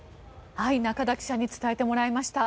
中田記者に伝えてもらいました。